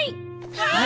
はい！